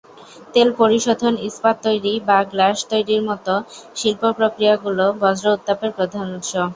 তেল পরিশোধন, ইস্পাত তৈরি বা গ্লাস তৈরির মতো শিল্প প্রক্রিয়াগুলি বর্জ্য উত্তাপের প্রধান উৎস।